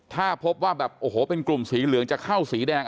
ถ้าพบว่าแบบโอ้โหเป็นกลุ่มสีเหลืองจะเข้าสีแดง